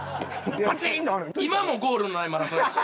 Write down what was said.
今もゴールのないマラソンやし。